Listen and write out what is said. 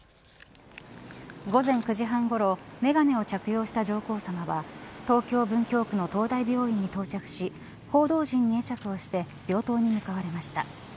午前９時半ごろ眼鏡を着用した上皇さまは東京、文京区の東大病院に到着し報道陣に会釈をして病棟に向かわれました。